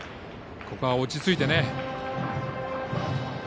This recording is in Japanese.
ここは落ち着いてね。